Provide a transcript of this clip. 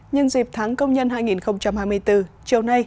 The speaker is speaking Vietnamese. nhân dịp tháng công nhân hai nghìn hai mươi bốn chiều nay